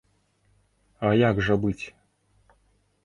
А як жа быць?